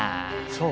そう？